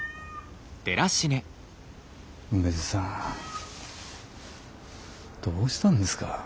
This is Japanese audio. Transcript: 梅津さんどうしたんですか。